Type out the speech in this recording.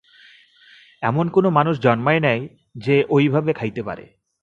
এমন কোন মানুষ জন্মায় নাই, যে ঐভাবে খাইতে পারে।